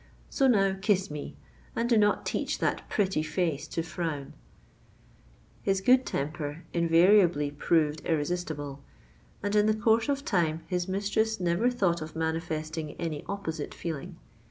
So now kiss me, and do not teach that pretty face to frown." His good temper invariably proved irresistible; and in the course of time his mistress never thought of manifesting any opposite feeling.